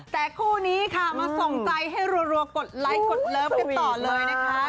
แต่คู่นี้ค่ะมาส่งใจให้รัวกดไลค์กดเลิฟกันต่อเลยนะคะ